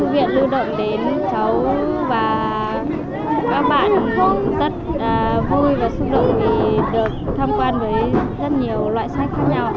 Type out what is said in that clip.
vui và xúc động vì được tham quan với rất nhiều loại sách khác nhau